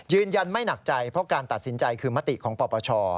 ยืนยันไม่หนักใจเพราะการตัดสินใจคือมติของปปช